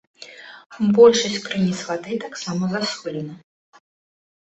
Большасць крыніц вады таксама засолена.